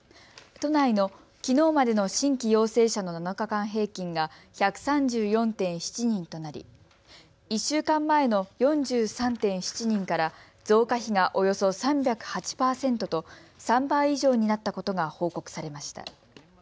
都内のきのうまでの新規陽性者の７日間平均が１３４．７人となり、１週間前の４３．７人から増加比がおよそ３０８％と３倍以上になったことが報告されました。